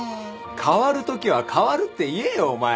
代わるときは代わるって言えよお前ら。